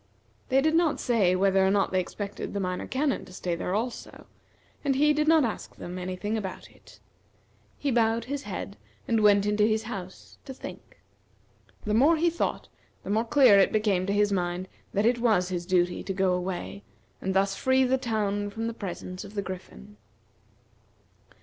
They did not say whether or not they expected the Minor Canon to stay there also, and he did not ask them any thing about it. He bowed his head, and went into his house, to think. The more he thought, the more clear it became to his mind that it was his duty to go away, and thus free the town from the presence of the Griffin.